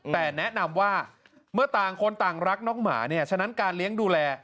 แต่แนะนำว่าเมื่อต่างคนต่างรักน้องหมาเนี่ยฉะนั้นการเลี้ยงดูแล